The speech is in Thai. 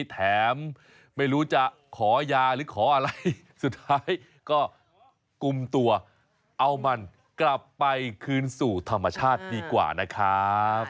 แถมไม่รู้จะขอยาหรือขออะไรสุดท้ายก็กลุ่มตัวเอามันกลับไปคืนสู่ธรรมชาติดีกว่านะครับ